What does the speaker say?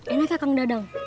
ini kakak dadang